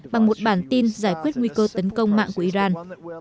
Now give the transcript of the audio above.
bằng một bản tin giải quyết nguy cơ tấn công mạng của iran